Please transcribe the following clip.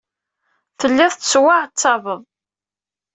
Telliḍ tettwaɛettabeḍ.